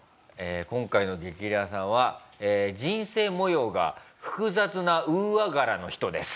今回の激レアさんは人生模様が複雑なＵＡ柄の人です。